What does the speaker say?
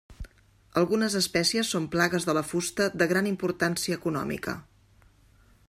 Algunes espècies són plagues de la fusta de gran importància econòmica.